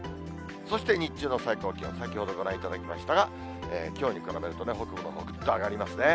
そして、日中の最高気温、先ほどご覧いただきましたが、きょうに比べるとね、北部のほう、ぐっと上がりますね。